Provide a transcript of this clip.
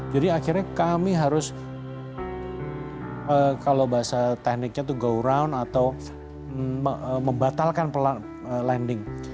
akhirnya kami harus kalau bahasa tekniknya itu go ground atau membatalkan landing